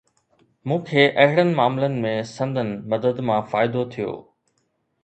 مون کي اهڙن معاملن ۾ سندن مدد مان فائدو ٿيو